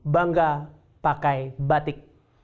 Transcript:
bangga pakai batik